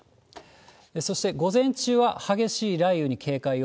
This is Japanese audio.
そして、午前中は激しい雷雨に警戒を。